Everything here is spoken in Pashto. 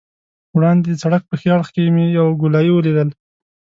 وړاندې د سړک په ښي اړخ کې مې یوه ګولایي ولیدل.